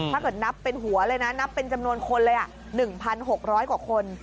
ถ้าเกิดนับเป็นหัวเลยนะนับเป็นจำนวนคนเลย๑๖๐๐กว่าคน